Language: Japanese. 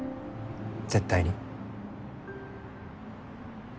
絶対に。